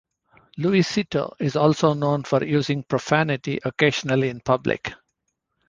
Luisito is also known for using profanity occasionally in public.